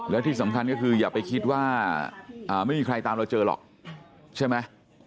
แล้วที่สำคัญก็คืออย่าไปคิดว่าไม่มีใครตามเราเจอหรอกใช่ไหม